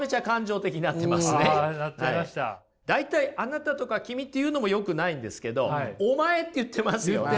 大体「あなた」とか「君」って言うのもよくないんですけど「お前」って言ってますよね？